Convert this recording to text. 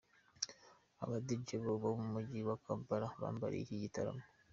Aba Djs bo mu mujyi wa Kampala bambariye iki gitaramo.